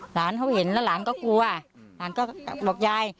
หลานเขาเห็นแล้วหลานก็กลัวหลานก็บอกยาย